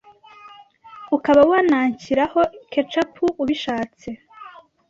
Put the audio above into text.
ukaba wanashyiraho ketchup ubishatse